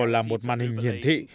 là một màn hình hiển thị